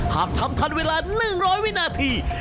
หากทำทันเวลา๑๐๐วินาที